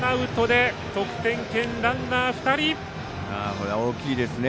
これは大きいですね。